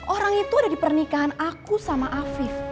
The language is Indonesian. orang itu ada di pernikahan aku sama afif